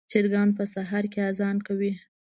چرګان په سهار کې اذان کوي.